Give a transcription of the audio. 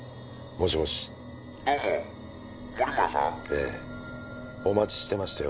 ええお待ちしてましたよ